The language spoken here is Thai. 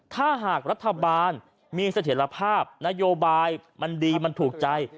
ถ้าหากรัฐบาลมีเสถียรภาพนโยบายมันดีมันถูกใจ